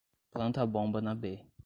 Planta a bomba na B